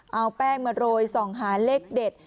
เอาแป้งมาโรยส่องหาเลขเด็ด